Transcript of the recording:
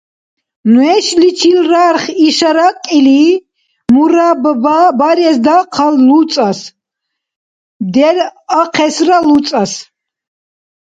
Нешличил рарх иша ракӀили, мурабба барес дахъал луцӀас. Деръахъесра луцӀас.